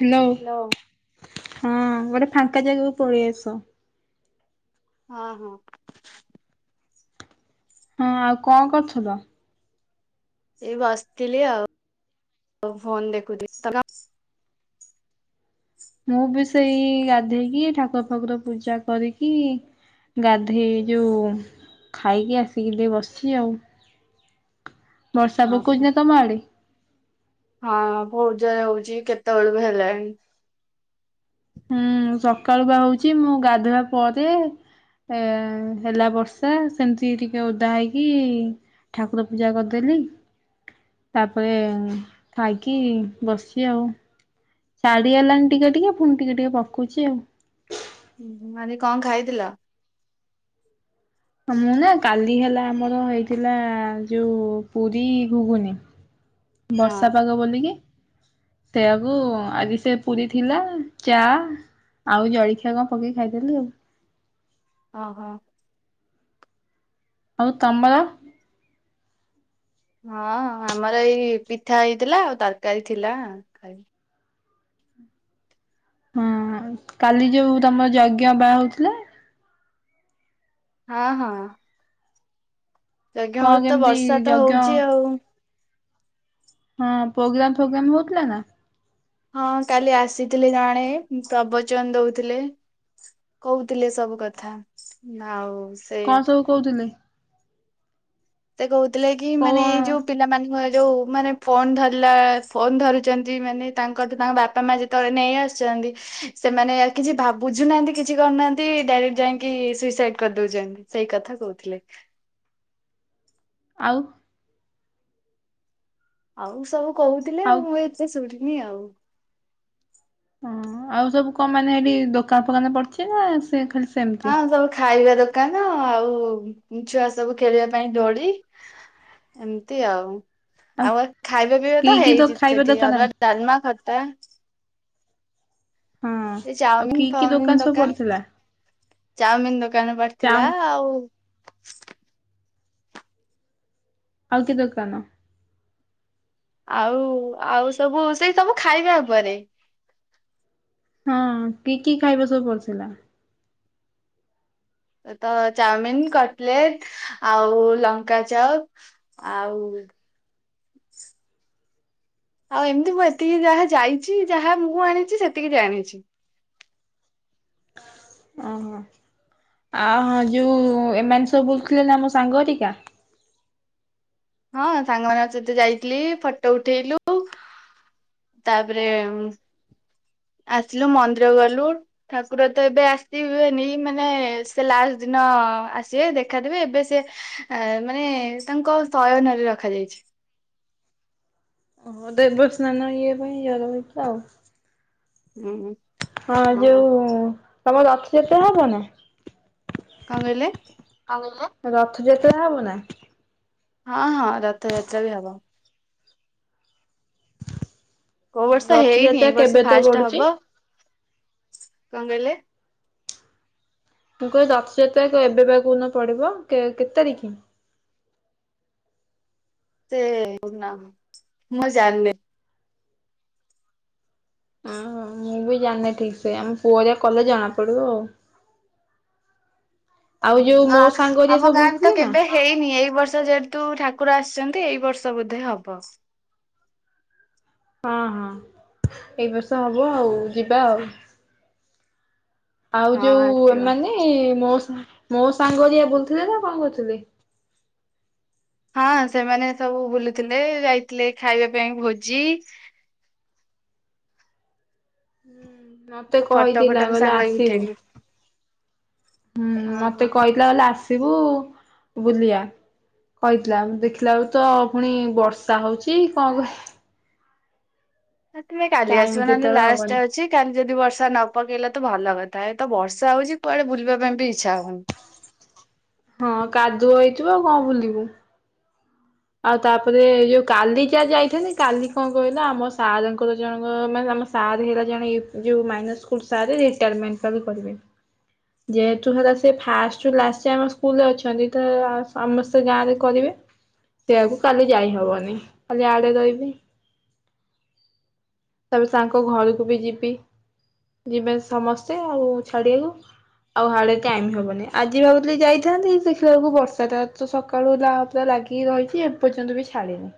Hello hello ହଁ ଗୋଟେ ଫାଙ୍କା ଜାଗାକୁ ପଳେଇ ଆସ। ହଁ ହଁ। ହଁ ଆଉ କଣ କରୁଥିଲ? ଏଇ ବସିଥିଲି ଆଉ ଫୋନ ଦେଖୁଥିଲି [unintelligible] ମୁଁ ବି ସେଇ ଗାଧେଇକି ଠାକୁର ଫାକୁର ପୂଜା କରିକି। ଗାଧେଇ ଯୋଉ ଖାଇକି ଆସିକି ଟିକେ ବସିଚି ଆଉ। ବର୍ଷା କଣ ହଁ ପକଉଛି ହଁ ନା ତମ ଆଡ଼େ? ହଁ ବୋହୁତ୍ ଯୋରେ ହୋଉଛି କେତେବେଳରୁ ହେଲାଣି। ହୁଁ ସକାଳୁ ବା ହଉଛି ମୁଁ ଗାଧୁଆ ପରେ ଏ ହେଲା ବର୍ଷା ସେମିତି ଟିକେ ଓଦା ହେଇକି ଠାକୁର ପୂଜା କରିଦେଲି। ତାପରେ ଖାଇକି ବସିଚି ଆଉ। ଛାଡ଼ି ଆଇଲାଣି ଟିକେ ଟିକେ ପୁଣି ଟିକେ ଟିକେ ପକଉଛି ଆଉ। ହୁଁ ହୁଁ ଆଜି କଣ ଖାଇଥିଲ? ହଁ ମୁଁ ନା କାଲି ହେଲା ଆମର ହେଇଥିଲା ଯୋଉ ପୁରୀ ଗୁଗୁନି। ବର୍ଷା ହଁ ପାଗ ବୋଲିକି। ସେଇଆକୁ ଆଜି ସେ ପୁରୀ ଥିଲା ଚା ଆଉ ଜଳଖିଆ କଣ ପକେଇକି ଖାଇଦେଲି ଆଉ। ଅହ। ଆଉ ତମର? ହଁ ଆମର ଏଇ ପିଠା ହେଇଥିଲା ଆଉ ତରକାରୀ ଥିଲା ଖାଇଲି। ହଁ କାଲି ଯୋଉ ତମ ଯଜ୍ଞ ବା ହଉଥିଲା। ହଁ ହଁ। ଯଜ୍ଞ କଣ ହଉଚି ତ କେମିତି ବର୍ଷା ତ ଯଜ୍ଞ ହଉଚି ଆଉ। ହଁ ପ୍ରୋଗ୍ରାମ ଫୋଗ୍ରାାମ ହଉଥିଲା ନା। ହଁ କାଲି ଆସିଥିଲେ ଜଣେ ପ୍ରବଚନ ଦଉଥିଲେ। କହୁଥିଲେ ସବୁ କଥା ନା ଆଉ। ସେ କଣ ସବୁ କହୁଥିଲେ। ସେ କହୁଥିଲେ କି କୋଉ ମାନେ ଏଇ ଯୋଉ ଆଉ ପିଲା ମାନଙ୍କ ଯୋଉ ମାନେ ଫୋନ୍ ଧରିଲା ଫୋନ୍ ଧରୁଛନ୍ତି ମାନେ ତାଙ୍କଠୁ ତାଙ୍କ ବାପା ମା ଯେତେବେଳେ ନେଇ ଆସିଛନ୍ତି। ସେମାନେ ଆ କିଛି ଭାବୁ ବୁଝୁନାହାନ୍ତି କିଛି କରୁନାହାନ୍ତି, ଡାଇରେକ୍ଟ ଯାଇକି ସୁଇସାଇଡ କରିଦଉଛନ୍ତି। ସେଇ କଥା କହୁଥିଲି। ଆଉ ଆଉ ସବୁ କହୁଥି ଆଉ ଏତେ ଶୁଣିନି ଆଉ ହଁ ଆଉ ସବୁ କଣ ମାନେ ହେଟି ଦୋକାନ ଫୋକାନ ପଡିଛିନା ସେ ଖା ହଁ ସବୁ ଖାଇବା ଦୋକାନ ଆଉ ଛୁଆ ସବୁ ଖେଳିବା ପାଇଁ ଦୋଳି, ଏମିତି ଆଉ ଆଉ ଖାଇବା ପିଇବା କି ତ କି ହେଇଛି ଖାଇବା ସେଠି ଦୋକାନ? ଅରୁଆ ଡାଲମା ଖଟା ହଁ ଆଉ କି ଚାଉମିନ କି ଦୋକାନ ଫାଉମିନ ସବୁ ପଡିଥିଲା? ଦୋକାନ ଚାଉମିିନ ଦୋକାନ ପଡ଼ି ଥିଲା ଚାମ୍ ଆଉ, ଆଉ କି ଦୋକାନ? ଆଉ ଆଉ ସବୁ ସେଇ ସବୁ ଖାଇବା ଉପରେ। ହଁ କି କି ଖାଇବା ସବୁ କରିଥିଲା। ତ ଚାଉମିିନ କଟଲେଟ ଆଉ ଲଙ୍କାଚପ୍ ଆଉ, ଆଉ ଏମିତି ମୁଁ ଏତିକି ଯାହା ଯାଇଛି ଯାହା ମୁଁ ଆଣିଛି ସେତିକି ଜାଣିଛି। ଓହୋ ଆ ହ ଯୋଉ ଏମାନେ ସବୁ ବୁଲୁଥିଲେ ନା ଆମ ସାଙ୍ଗଘରୀକା। ହଁ ସାଙ୍ଗ ମାନଙ୍କ ସହିତ ଯାଇଥିଲି ଫଟୋ ଉଠେଇଲୁ, ତାପରେ ଆସିଲୁ ମନ୍ଦିରକୁ ଗଲୁ, ଠାକୁର ତ ଏବେ ଆସିବେନି ମାନେ ସେ ଲାଷ୍ଟ ଦିନ ଆସିବେ ଦେଖାଦେବେ ଏବେ ସେ, ଆ ମାନେ ତାଙ୍କ ଶୟନରେ ରଖାଯାଇଛି। ଓ ଦେବସ୍ନାନ ଇଏ ପାଇଁ ଜର ହେଇଛି ଆଉ। ହୁଁ ହଁ ଯୋଉ ତମର ରଥ ଯାତ୍ରା ହବନା। କଣ କହିଲେ। କଣ କହିଲେ ରଥଯାତ୍ରା ହବ ନା। ହଁ ହଁ ରଥଯାତ୍ରା ବି ହବ। କୋଉ ବର୍ଷ ହେଇନି ରଥଯାତ୍ରା ଏଇ ବର୍ଷ କେବେ ତ ଫାଷ୍ଟ ପଡୁଛି? ହବ କଣ କହିଲେ। ମୁ କହେ ରଥଯାତ୍ରା ଏବେ ବା କୋଉ ଦିନପଡିବ କେତେ ତାରିଖ। ସେ ନା ମୁଁ ଜାଣିନି। ଓହୁ ମୁଁ ବି ଜାଣିନି ଠିକ ସେ ଆମ ପୁଅଯାଇ କଲେଜ ଜଣା ପଡିବ ଆଉ। ଆଉ ଯୋଉ ନା ମୋ ସାଙ୍ଗ ଯିଏ ଆମ ସବୁ ଗାଁରେ ତ ବୁଲୁଥିଲି ନା। କେବେ ହେଇନି ଏଇ ବର୍ଷ ଯେହେତୁ ଠାକୁର ଆସିଛନ୍ତି ଏଇ ବର୍ଷ ବୋଧେ ହବ। ହଁ ହଁ ଏଇ ବର୍ଷ ହବ ଆଉ ଯିବା ଆଉ। ଆଉ ହଁ ଯୋଉ ଆସିବ ଏମାନେ ମୋ ମୋ ସାଙ୍ଗ ଘରିକା ବୁଲୁଥିଲେ ନା କଣ କରୁଥିଲେ। ହଁ ସେମାନେ ସବୁ ବୁଲୁଥିଲେ ଯାଇଥିଲେ ଖାଇବା ପାଇଁ ଭୋଜି। ହୁଁ ମତେ ଆଉ ଫଟୋ ଫଟୋ କହିଥିଲା ବି କହିଲା ସାଙ୍ଗ ହେଇକି ଆସିବୁ। ଉଠେଇଲୁ ହୁଁ ଓହୋ। ମତେ କହିଥିଲା କହିଲା ଆସିବୁ ବୁଲିବା। କହିଥିଲା ଦେଖିଲା ବେଳକୁ ତ ଫୁଣି ବର୍ଷା ହଉଚି କଣ କ ଆ ତୁମେ କାଲି ଟାଇମ ଆସିବ ନହେଲେ କେତେବେଳେ ହବନି ଲାଷ୍ଟଟା ଅ ଛି କାଲି ଯଦି ବର୍ଷା ନ ପକେଇଲା ତ ଭଲ କଥା ଏ ତ ବର୍ଷା ହଉଚି କୁଆଡେ ବୁଲିବା ପାଇଁ ବି ଇଛା ହଉନି। ହଁ କାଦୁଅ ହେଇଥିବ ଆଉ କଣ ବୁଲିବୁ। ଆଉ ତାପରେ ଯୋଉ କାଲି ଯାହା ଯାଇଥାନ୍ତି କାଲି କଣ କହିଲା ଆମ ସାର୍ଙ୍କର ଜଣଙ୍କର ମାନେ ଆ ସାର୍ ହେଲା ଜଣେ ୟୁ ଯୋଉ ମାଇନରଇସ୍କୁଲ ସାରେ ରିଟାରମେଣ୍ଟ ଟା ବି କରିବେ। ଯେହେତୁ ହେଲା ସେ ଫାଷ୍ଟରୁ ଲାଷ୍ଟେ ଆମ ସ୍କୁଲରେ ଅଛନ୍ତି ତ ଆ ସମସ୍ତେ ଗାଁରେ କରିବେ। ସେଆକୁ କାଲି ଯାଇହବନି କାଲି ଆଡେ ରହିବି। ତେବେ ସାର୍ ଙ୍କ ଘରୁକୁ ବି ଯିବି। ଯିବେ ସମସ୍ତେ ଆଉ ଛାଡିବୁ। ଆଉ ହାଡେ ଟାଇମ୍ ହବନି ଆଜି ଭାବୁଥିଲି ଯାଇଥାନ୍ତି ଦେଖିଲାଳୁକୁ ବର୍ଷାଟା ତ ସ କାଳୁ ଲା ପୁରା ଲାଗିକି ରହିଛି ଏ ପର୍ଯ୍ୟନ୍ତ ବି ଛାଡିନି।